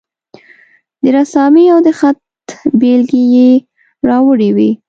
د رسامي او د خط بیلګې یې راوړې وې.